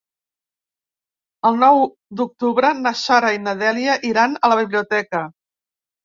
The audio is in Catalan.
El nou d'octubre na Sara i na Dèlia iran a la biblioteca.